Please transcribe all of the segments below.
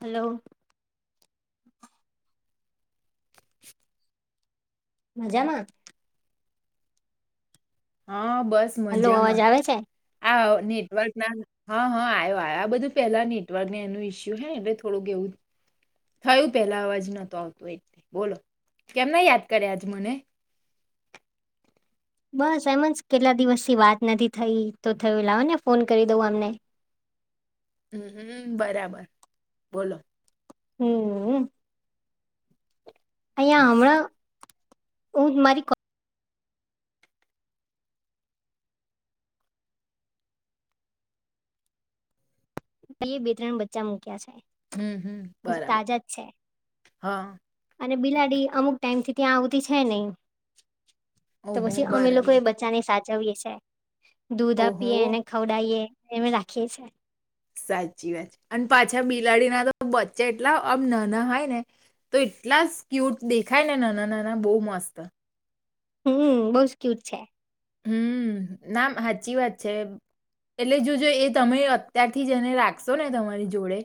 Hello. મજામાં? હા, બસ હલો અવાજ મજામાં. આવે છે આ અ નેટવર્કના હા, હા, આયો આયો. બધું પેલા નેટવર્કને એનું ઈસ્યુ છે ને, એટલે થોડુંક એવું થયું, પેલા અવાજ નતો આવતો એક. બોલો, કેમ ના યાદ કર્યા આજ મને? બસ એમન્સ, કેટલા દિવસથી વાત નથી થઈ, તો થયું લાવ ને ફોન કરી દઉં આમને. હમ્મ હમ્મ બરાબર. બોલો. હમ્મ. અહીંયાં હમણાં, હું જ મારી કો કલીએ બે ત્રણ બચ્ચા મૂક્યા છે, હમ હમ હજુ બરાબર તાજા જ છે. હા અને બિલાડી અમુક ટાઈમથી ત્યાં આવતી છે નહીં. તો ઓહો પછી અમે લોકો બરાબર એ બચ્ચાને સાચવીએ છે. દૂધ ઓહો આપીએ એને ખવડાઈએ, અમે રાખીએ છે. સાચી વાત છે. અન પાછા બિલાડીના તો બચ્ચા એટલા આમ નાના હોય ને તો એટલા જ ક્યુટ દેખાય ને નાના નાના બહુ મસ્ત હમ્મ, બઉ સ્ ક્યુટ છે. હમ્મ. ના હાચી વાત છે. એટલે જોજો, એ તમે અત્યારથી જ એને રાખશોને તમારી જોડે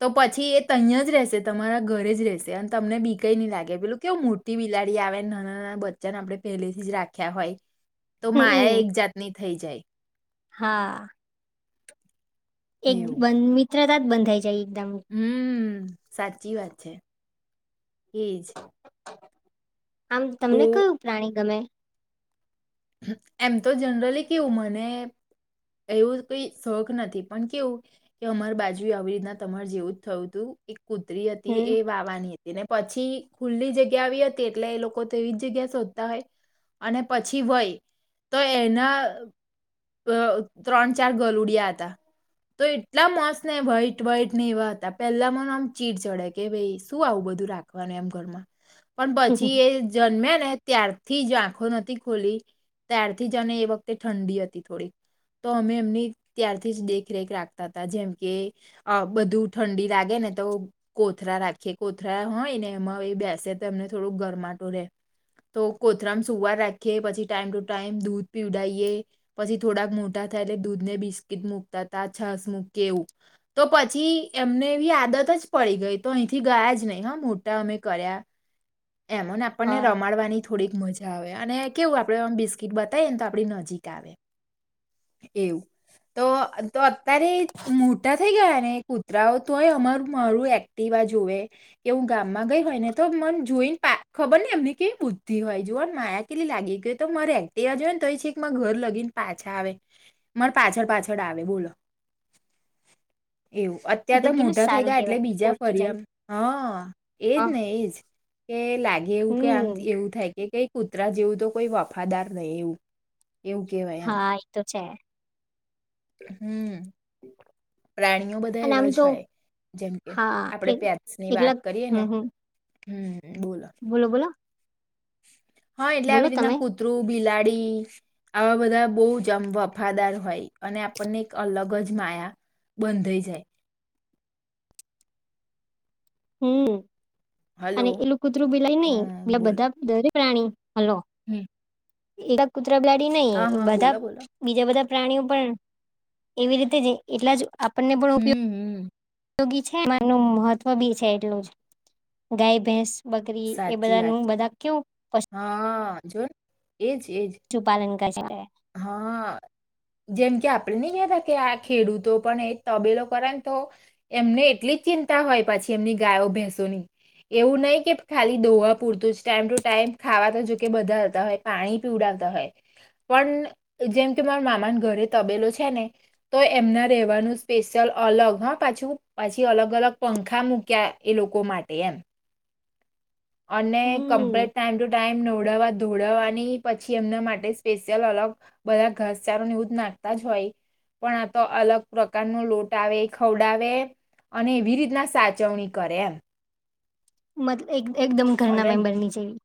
તો પછી એ તઈં જ રહેશે, તમારા ઘરે જ રહેશે અન તમને બીકેય નહીં લાગે. પેલું કેવું મોટ કે બિલાડી આવે ને નાના નાના બચ્ચાને આપણે પહેલેથી જ રાખ્યા હોય. તો માયા હમમ એક જાતની થઈ જાય. હા. એક એવું બંધ મિત્રતા જ બંધાઈ જાય એકદમ. હમ્મ, સાચી વાત છે. એજ આમ, તમને કયું પ્રાણી ગમે? એમ તો જનરલી કેવું મને એવું કંઈ શોખ નથી. પણ કેવું કે અમાર બાજુએ આવી રીતના તમાર જેવું જ થયું હતું. એક કુત્રી હતી એ હમ વાવાની હતી. એને પછી ખુલ્લી જગ્યા આવી હતી, એટલે એ લોકો તો એવી જ જગ્યા શોધતા હોય. અને પછી [unintelligible] તો એના બ ત્રણ ચાર ગલુડિયા હતા. તો એટલા મસ્ત ને વ્હાઈટ વ્હાઈટ ને એવા હતા. પેલ્લા મને ઓમ ચીડ ચડે, કે ભઈ શું આવું બધું રાખે અન પછી એ જન્મ્યા ને ત્યારથી જ આંખો નથી ખોલી. ત્યારથી જ, અને એ વખતે ઠંડી હતી થોડીક તો અમે એમની, ત્યારથી જ દેખરેખ રાખતા હતા. જેમ કે અહ બધું ઠંડી લાગે ને તો કોથળા રાખીએ, કોથળા હોય ને એમાં ઈ બેસે તો એમને થોડુંક ગરમાટું રહેે. તો કોથળામ સૂવા રાખીએ, પછી ટાઈમ ટુ ટાઈમ દૂધ પીવડાઈએ. પછી થોડાક મોટા થાય એટલે દૂધ ને બિસ્કીટ મૂકતા તા, છાસ મૂકીએ એવું. તો પછી એમને એવી આદત જ પડી ગઈ, તો અહીંથી ગયા જ ન‌હીં હો મોટા અમે કર્યા. એમોને આપણને હા રમાડવાની થોડીક મજા આવે. અને કેવું આપડે આમ બિસ્કીટ બતાઈએ ને તો આપડી નજીક આવે એવું. તો-તો અતારે મોટા થઈ ગયા ને કૂતરાઓ, તોય અમારું મારું એક ટિવા જોવે કેવું હું ગામમાં ગઈ હોય ને તો મન જોઈ પા ખબર નહીં એમની કેવી બુદ્ધિ હોય, જોવોન [unintelligible] કેટલી લાગી ગ‌ઈ તો મારે એક્ટિવા જોઈન તોય છેક માર ઘર લગીન પાછા આવે. મારા પાછળ-પાછળ આવે બોલો એવું. અત એ ત્યારે તો કેટલું મોટા થઈ સારું ગયા કેવાય એટલે બીજા ઓળખી જાય ફરિયા, હા હ એજ ને એજ. કે લાગે એવું કે આમ હમ એવું થાય કે કાંઈ કૂતરા જેવું તો કોઈ વફાદાર ન‌ઈ એવું. એવું કહેવાય હા ઈતો છે. હમ્મ. પ્રાણીઓ બધ ધા અને આમ એવા જ તો હોય. જેમ કે હા એક આપણેે પેટ્સની વાત એકલા કરીએ ને હમ્મ બોલો. બોલો-બોલો. હા એટલે આવી રીતના તમે કૂતરું, બિલાડી આવા બધા બોવ જ આમ વફાદાર હોય. અને આપણને એક અલગ જ માયા બંધાઈ જાય. હમ્મ. હલો અને એલું કૂતરું બિલાય નહીં. હમ મતલબ બધા દરેક પ્રાણી, હલો. હમ્મ. [inaudible] કૂતરા બિલાડી ન‌હીં, હા બધા બોલો બોલો બીજા બધા પ્રાણીઓ પણ જ એવી રીતે [unintelligible] એટલા જ આપણને પણ હમ હમ ઉપયોગ ગી છે [inaudible] મહત્વ બી છે એટલું જ. ગાય, ભેસ બકરી એ સાચી બધા વાત નું છે બધા કેવુ હા [unintelligible] એજ-એજ. શુ પાલન કરી શકે. હા. જેમ કે આપણે ની કહેતા કે આ ખેડૂતો પણ એ તબેલો કરેન તો એમને એટલી જ ચિંતા હોય પછી એમની ગાયો, ભેંસોની. એવું ન‌હીં કે ખાલી દોહવા પૂરતું જ, ટાઈમ ટુ ટાઈમ ખાવા તો જો કે બધા આપતા હોય. પાણી પીવડાવતા હોય પન જેમ કે મારા મામાને ઘરે તબેલો છે ને તો એમના રહેવાનું સ્પેશિયલ અલગ હ પાછું, પાછી અલગ-અલગ પંખા મૂક્યા એ લોકો માટે એમ. અને હમ કમ્પલેટ ટાઈમ ટુ ટાઈમ નવડાવવા, ધોવડવાની પછી એમના માટે સ્પેશિયલ અલગ બધા ઘાસચારો ને એવું જ નાખતા જ હોય. પણ આ તો અલગ પ્રકાર નો લોટ આવે એ ખવડાવે. અને એવી રીતના સાચવણી કરે એમ. મત એક એકદમ ઘરના અને મેમ્બર ની જેવી.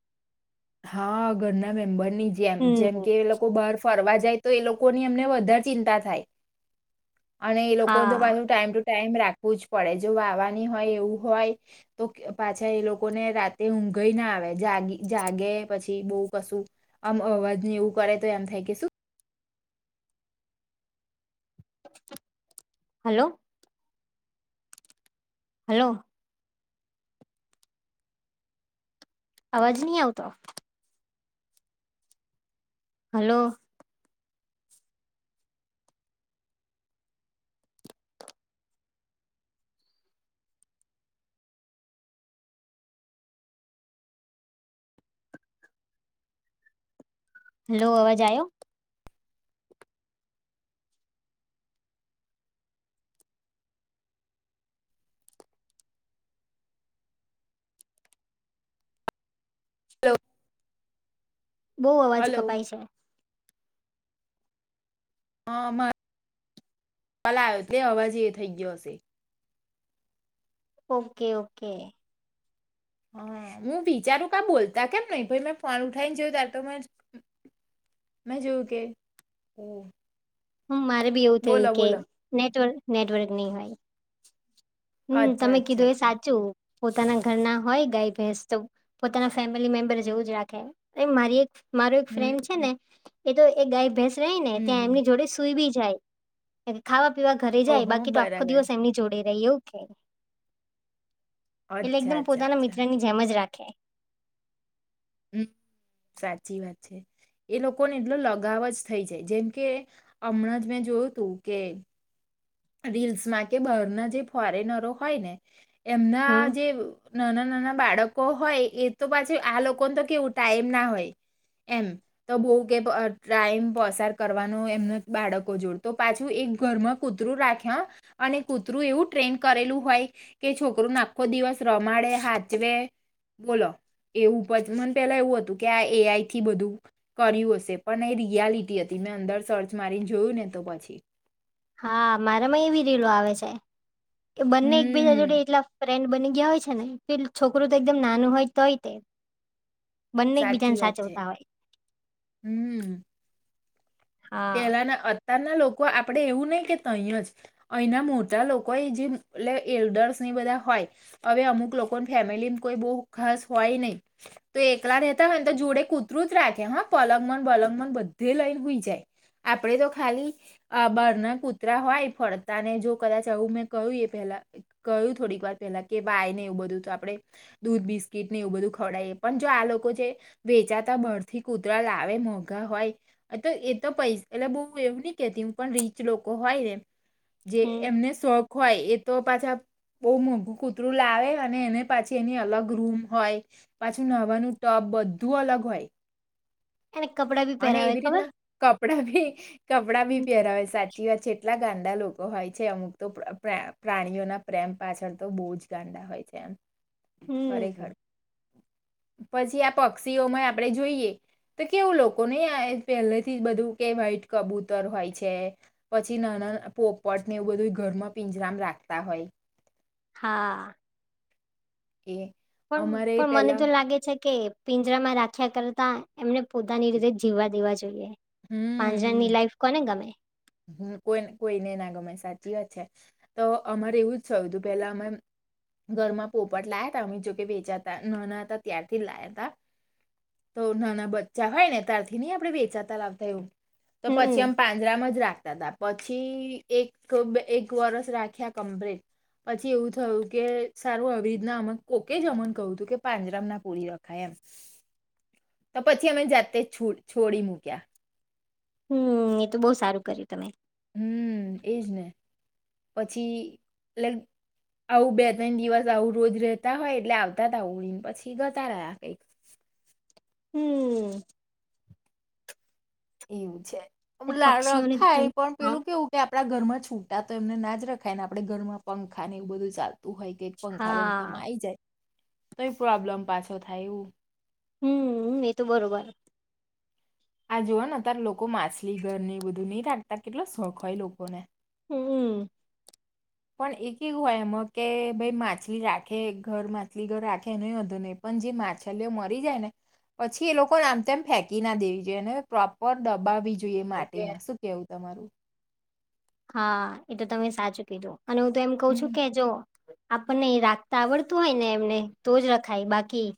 હા ઘરના મેમ્બરની જેમ હમ જેમ કે એ લોકો બહાર ફરવા જાય તો એ લોકોની અમને વધારે ચિંતા થાય. અને એ લોકોને તો હા પાછું ટાઈમ ટુ ટાઈમ રાખવું જ પડે જો આવવાની હોય એવું હોય તો પાછા એ લોકોને રાતે ઊંઘયે ના આવે જાગી જાગે પછી બઉ કશું આમ અવાજ ને એવું કરે તો એમ થાય કે શું હલો. હલો. અવાજ ની આવતો. હલો. હલો અવાજ આયો? હલો. બો અવાજ હલો કપાય છે. હા આમાં કલા આયો એટલે અવાજ એ થઇ ગીયો હશે. Okay okay. હા હું વીચારું કા બોલતા કેમ નહિ પહિ મેં ફોન ઉઠાય ને જોયું તાર તો મે મેં જોયુ કે અ હા મારે બી એવું થયું કે નેટવર્ક નેટવર્ક નહી હોય. હમમ અચ્છા તમે અચ્છા કીધું એ અચ્છા સાચું પોતાના ઘરના હોય ગાય, ભેંસ તો પોતાના ફેમિલી મેમ્બર જેવું જ રાખે. અ મારી એક મારો એક હમ ફ્રેન્ડ છે ને હમ એ તો એક ગાય ભેસ રેય ને હમ ત્યાં હમ. એમની જોડે સુૂઈ બી જાય. ખાવા પીવા ઘરે જાય ઓહો બાકી તો આખો બરાબર દિવસ એમની જોડે રહે એવું કે એટલે અચ્છા એકદમ અચ્છા પોતાના અચ્છા મિત્ર ની જેમ જ રાખે. હમમ સાચી વાત છે. એ લોકોને એટલો લગાવ જ થઈ જાય જેમ કે હમણાં જ મેં જોયું તું કે રીલ્સમાં કે બહારના જે ફોરેનરો હોય ને એમના હમ જે નાના નાના બાળકો હોય એ તો પાછું આ લોકોને તો કેવું ટાઈમ ના હોય એમ તો બહું કે ટાઈમ પસાર કરવાનો એમનું બાળકો જોડે તો પાછું એક ઘરમાં કૂ કૂતરું રાખે હા અને કૂતરું એવું ટ્રેન કરેલું હોય. કે છોકરુ ને આખો દિવસ રમાડે, હાચવે. બોલો એવું મને પેલા એવું હતું કે આ એઆઈ થી બધું કર્યું હશે પણ એ રિયાલિટી હતી મેં અંદર સર્ચ મારીને જોયું ને તો પછી હા મારામાં એવી રીલો આવે છે કે બંને એકબીજા હમ જોડે એટલા ફ્રેન્ડ બની ગયા હોય છે ને કે છોકરું તો એકદમ નાનું હોય તોય તે બંને એકબીજાને સાચી વાત છે. સાચવતા હોય. હમમ. હા. પેલાના અત્યારના લોકો આપડે એવું નય કે ત્ય જ અય ના મોટા લોકો એ જે એટલે એલ્ડર્સ ને એ બધા હોય હવે અમુક લોકો ના ફેમિલી માં કોઈ બહુ ખાસ હોય નય. તો એકલા રહેતા હોય ને તો જોડે કૂતરું જ રાખે હા પલંગ માંને બલંગ માં બધે લઈને હુંય જાય. આપણેે તો ખાલી આ બારના કુતરા હોય ફરતા ને જો કદાચ આવું મેં કહ્યું એ પેલા કહ્યું થોડીક વાર પહેલા કે ભાય ને એવું બધું તો આપડે દૂધ, બિસ્કીટ ને એવું બધું ખવડાવીએ પણ જો આ લોકો છે વેચાતા બાર થી કૂતરા લાવે મોઘા હોય તો એ તો પૈસ એટલે બહુ એવું નહી કેતી હું પણ રીચ લોકો હોય ને, જે હમ એમને શોખ ખ હોય. એ તો પાછા બહુ મોંઘું કૂતરું લાવે, અને એને પાછી એની અલગ રૂમ હોય. પાછું નહાવાનું ટપ બધું અલગ હોય. એને કપડા બી અને પહેરાવે એવી ખબર રીતના કપડાં ભી કપડા ભી પહેરાવે સાચ ચી વાત છે. એટલાં ગાંડા લોકો હોય છે અમુક તો પ્રા-પ્રા પ્રાણીઓના પ્રેમ પાછળ તો બહુ જ ગાંડા હોય છે એમ. ખરેખર. હમ. પછી આ પક્ષીઓમાં આપણે જોઈએ તો કેવું લોક કો નહીં આઈ પહેલેથી જ બધું કે વ્હાઈટ કબૂતર હોય છે. પછી નાના પોપટ ને એવું બધુંઈ ઘરમાં પિંજરામ રાખતા હોય. હા. એ અમારે પણ-પણ મને પેલા તો લાગે છે કે પિંજરામાં રાખ્યા કરતા એમને પોતાની રીતે જીવવા દેવા જોઈએ. પાંજરાની લાઈફ કોને ગમે? હમ્મ કોઈન કોઈને ના ગમે સાચી વાત છે. તો અમારે એવું જ થયું તું પહેલા અમે ઘરમાં પોપટ લાયા તા અમે જોકે વેચાતા નાના હતા ત્યારથી લાયા તા. તો નાના બચ્ચા હોય ને ત્યારથી ની આપણે વેચાતા લાવતા એવું. તો પછી હમમ અમ પાંજરામાં જ રાખ તા તા. પછી એક બ એક વરસ રાખ્યા કમ્પ્લીટ. પછી એવું થયું કે સારું અવિધના [unintelligible] કોકે જ અમન કહ્યું તું કે પાંજરા ના પુળી રખાય એમ. [inaudible] તો પછી અમે જાતે છુ છોડી મૂક્યા. હમ્મ. એ તો બહુ સારું કર્યું તમે. હમ્મ એજ ને. પછી [unintelligible] આવું બે-ત્રણ દિવસ આવું રોજ રહેતા હોય એટલે આવતા તા ઉડીને, પછી [unintelligible] કંઈક. હમ્મ. એવું છે. એ [unintelligible] પક્ષીઓને હ રખાય પણ હા પેલું કેવું કે આપણા ઘરમાં છૂટા તો એમને ના જ રખાય ને, આપણે ઘરમાં પંખા ને એવું બધું ચાલતું હોય. કે પંખા હા વંખામાં આઈ જાય તોય પ્રોબ્લેમ પાછો થાય એવું. હમ્મ. એ તો બરોબર. આ જોવોને અતારે લોકો માસલી ઘરને એવું બધું નહીં રાખતા કેટલો શોખ હોય એ લોકોને. હમ્મ-અમ્મ. પણ એક કેવું હોય એમાં કે ભઈ માછલી રાખે, ઘર માછલી ઘર રાખે એનાઈ વાંધો નહીં પન જે માછલીઓ મરી જાય ને પછી એ લોકોને આમતેમ ફેંકી ના દેવી જોઈએ. એને પ્રોપર દબાવી જ જોઈએ એ માટીમાં. શું કેવું તમારું? હા. એ તો તમે સાચું કીધું. અને હું તો એમ કઉ છું હમ, કે જોવો આપણને ઈ રાખતા આવડતું હોય ને એમને તો જ રખાય. બાકી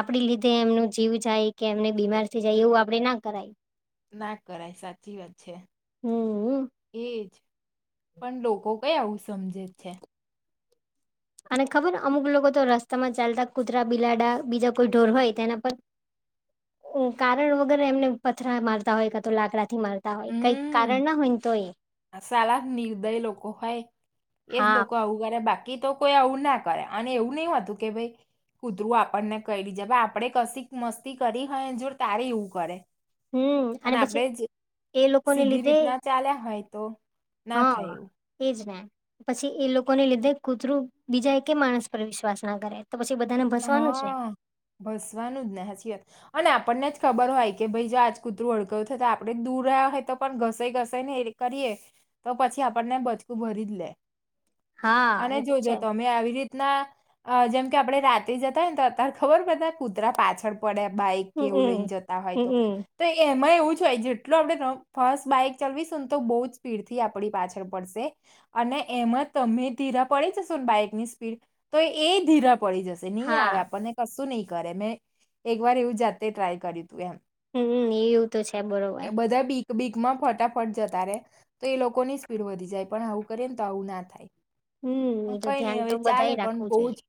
આપણી લીધે એમનું જીવ જાય કે એમને બીમાર થઈ જાય એવું આપડે ના કરાય. ના કરાય સાચી વાત છે. હમ એજ. પણ લોકો કંઈ આવું સમજે જ છે? અને ખબર અમુક લોકો તો રસ્તા માં ચાલતા કુતરા બિલાડા બીજા કોઈ ઢોર હોય તેના પર ઉ કારણ વગર એમને પથરા મારતા હોય કા તો લાકડા થી માર [unintelligible] કારણ ન હોયન સારા જ નિર્દય લોકો હોય એજ હા લોકો આવું કરે બાકી તો કોઈ આવું ના કરે અને એવું નહી હોતું કે ભઈ કુતરું આપણને કૈડી જાય પ આપડે કશીક મસ્તી કરી હોય એન જોડ તારી એવું કરે. હમ પણ અને પછી આપણે જ એ લોકોને સીધી લીધે રીતના ચાલ્યા હોય તો ના થાય હા. એવું એ જ ને પછી એ લોકોને લીધે કૂતરું બીજા એકે માણસ પર વિશ્વાસ ના કરે. તો પછી બધાને ભસવાનું જ ને. હા ભસવાનું જ ને હાચીયત. અને આપણને જ ખબર હોય કે ભઈ જો આજ કૂતરું હડગયું થયું તો આપડે જ દૂર રહ્યા હોય તો પણ ઘસાઈ ઘસાઈ ને એ રીત કરીએ તો પછી આપણને બચકું ભરી જ લે. હા અને એ તો જોજો છે તમે આવી રીત તના જેમ કે આપડે રાતે જતા હોય ને તો અતાર ખબર બધા કૂતરા પાછળ પડે બાઈક કેવું લઈને હમમ જતા હોય તો હમમ તો એમાં એવું જ હોય જેટલો આપડે [unintelligible] ફાસ બાઈક ચલવીશું ન તો બહુ જ સ્પીડ થી આપણી પાછળ પડશે. અને એમાં તમે ધીરા પડી જશો ન બાઈક ની સ્પીડ તો એ ધીરા પડી જશે. તો નહી હા આવે આપણને કશું નહી કરે મેં એક વાર એવું જાતે ટ્રાય કર્યું તું એમ. હમ એવું તો છે બરોબર. તો બીગમાં ફટાફટ જતા રે તો એ લોકોની સ્પીડ વધી જાય પણ આવું કરીએ ન તો આવું ના થાય. હમમ એ પણ તો કઈ ધ્યાન નઈ હવે તો ચાલે બધાએ પણ રાખવું બહુ જ જોઈએ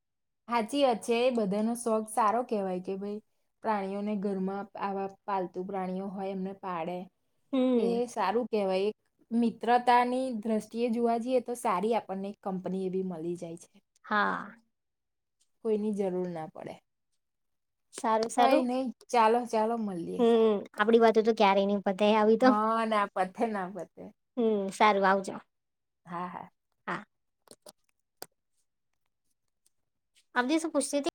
ચી વાત છે એ બધાનો શોખ સારો કેહેવાય કે ભઈ પ્રાણીઓને ઘરમાં આવા પાલતુ પ્રાણીઓ હોય એમને પાડે. હમમ એ સારું કેહેવાય એ. મિત્રતાની દ્રષ્ટિએ જોવા જઈએ તો સારી આપણને કંપની એ બી મલી જાય છે. હા. કોઈની જરૂર ના પડે. કોંઈ નહી ચાલો ચાલો મલ હમ આપડી વાતો તો ક્યારેય નહી પતે આવી હા ના પથે ના પતે. હમ સારું આવજો. હા હા. હા આગે સુું પુછતી તી.